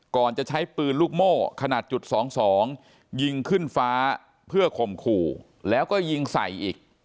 ก่อนจะใช้ปืนลูกโม่ขนาดจุด๒๒ยิงขึ้นฟ้าเพื่อข่มขู่แล้วก็ยิงใส่อีก